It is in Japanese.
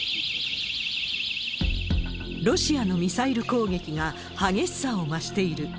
ロシアのミサイル攻撃が激しさを増している。